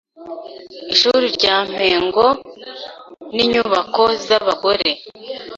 ishuri rya Mpengo n’inyubako z’abagore